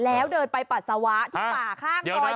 แล้วเดินไปปัสสาวะที่ป่าข้างซอย